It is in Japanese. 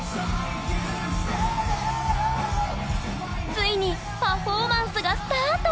ついにパフォーマンスがスタート！